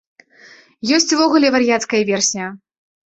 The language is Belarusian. Ёсць увогуле вар'яцкая версія.